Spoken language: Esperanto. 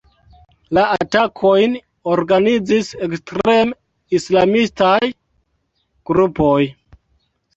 La atakojn organizis ekstrem-islamistaj grupoj.